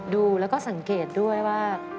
ดูแล้วก็สังเกตด้วยว่า